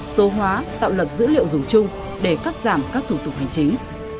số hóa tạo lập dữ liệu dùng chung để cắt giảm các thủ tục hành chính